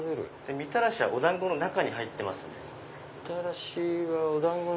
みたらしはお団子の中に入ってる。